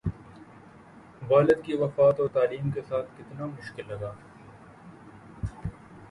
والد کی وفات اور تعلیم کے ساتھ کتنا مشکل لگا